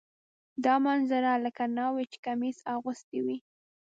دا منظره لکه ناوې چې کمیس اغوستی وي.